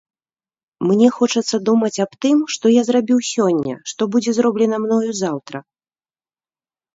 Мне хочацца думаць аб тым, што я зрабіў сёння, што будзе зроблена мною заўтра.